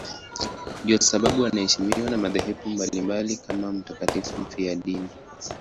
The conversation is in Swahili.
Ndiyo sababu anaheshimiwa na madhehebu mbalimbali kama mtakatifu mfiadini.